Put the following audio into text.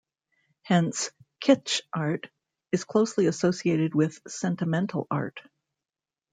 Hence, 'kitsch art' is closely associated with 'sentimental art'.